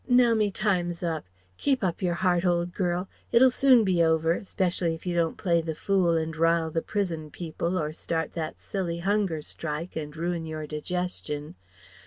Now me time's up. Keep up your heart, old girl; it'll soon be over, specially if you don't play the fool and rile the prison people or start that silly hunger strike and ruin your digestion.